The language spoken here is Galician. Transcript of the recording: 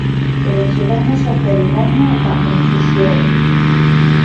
Pero chegamos á cerimonia da confusión.